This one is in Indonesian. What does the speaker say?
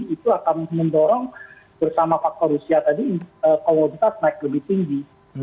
itu akan mendorong bersama faktor usia tadi komoditas naik lebih tinggi